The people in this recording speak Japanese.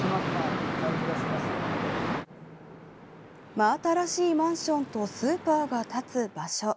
真新しいマンションとスーパーが立つ場所。